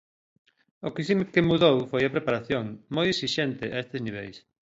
O que si mudou foi a preparación, moi exixente a estes niveis.